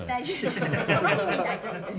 大丈夫です。